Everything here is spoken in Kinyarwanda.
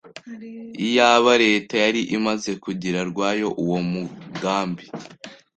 Iyaba leta yari imaze kugira rwayo uwo mugambi